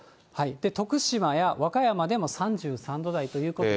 徳島や和歌山でも３３度台ということで。